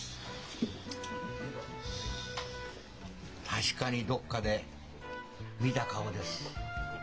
確かにどっかで見た顔です。